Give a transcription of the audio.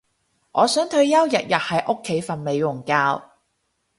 我想退休日日喺屋企瞓美容覺